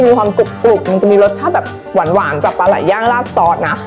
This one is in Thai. มีความกรุบมันจะมีรสชาติแบบหวานจากปลาไหลย่างลาดซอสนะ